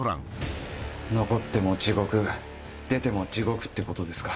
残っても地獄出ても地獄ってことですか。